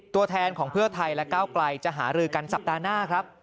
ตัวแทนของเพื่อไทยและก้าวไกลจะหารือกันสัปดาห์หน้าครับ